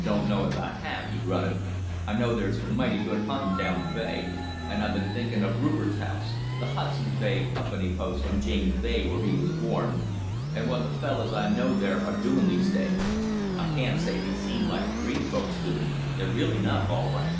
"Don't know as I have," he grunted. "I know there's mighty good huntin' down the bay; and I've been thinkin' of Rupert's House [the Hudson's Bay Company Post on James Bay where he was born], and what the fellus I know there are doin' these days. I can't say they seem like dream folks to me; they're real enough, all right."